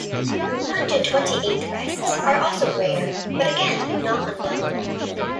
Hundred twenty-eighth rests are also rare, but again not unknown.